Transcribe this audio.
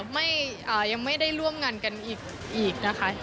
ยังไม่ได้ร่วมงานกันอีกนะคะ